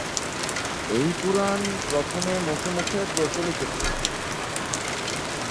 এই পুরাণ প্রথমে মুখে মুখে প্রচলিত ছিল।